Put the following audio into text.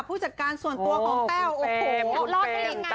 ผู้จัดการส่วนตัวของแต้ว